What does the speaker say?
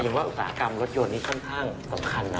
ก็ยังว่าอุตสาหกรรมรถยนต์นี้ค่อนข้างสำคัญนะครับ